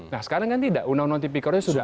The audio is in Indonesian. nah sekarang kan tidak undang undang tipikornya sudah